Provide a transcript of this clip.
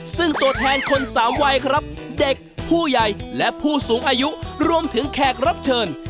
ซึ่งตัวแทนคนสามวัยครับเด็กผู้ใหญ่และผู้สูงอายุรวมถึงแขกรับเชิญ